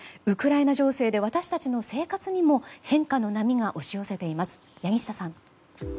ウクライナ情勢で私たちの生活にも変化の波が押し寄せています。